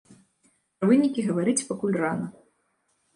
Пра вынікі гаварыць пакуль рана.